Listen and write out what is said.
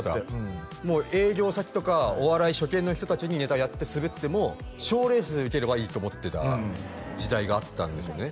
もう営業先とかお笑い初見の人達にネタやってスベっても賞レースでウケればいいと思ってた時代があったんですよね